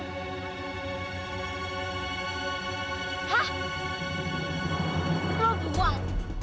itu lo buang